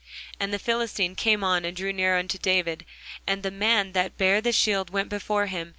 And the Philistine came on and drew near unto David; and the man that bare the shield went before him.